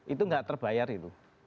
itu gak terbayar itu